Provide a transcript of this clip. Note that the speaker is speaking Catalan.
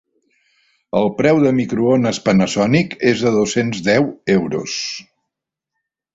El preu del microones Panasonic és de dos-cents deu euros.